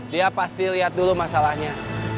dia pasti lihat dulu masalahnya